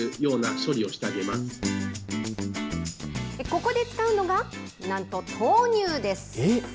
ここで使うのが、なんと、豆乳です。